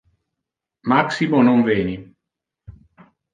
Maximo non veni.